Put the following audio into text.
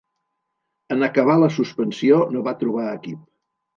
En acabar la suspensió no va trobar equip.